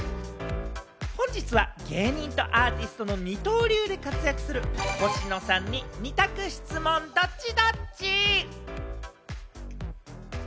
本日は芸人とアーティストの二刀流で活躍する、ほしのさんに二択質問ドッチ？